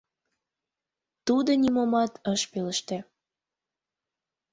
Тудо нимомат ыш пелеште.